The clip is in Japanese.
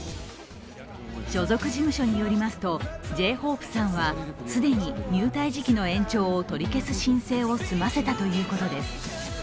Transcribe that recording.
所属事務所によりますと、Ｊ−ＨＯＰＥさんは既に入隊時期の延長を取り消す申請を済ませたということです。